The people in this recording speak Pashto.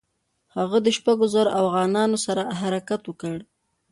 هغه د شپږو زرو اوغانانو سره حرکت وکړ.